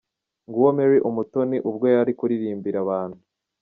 Nguwo Mary umutoni ubwo yari kuririmbira abantu.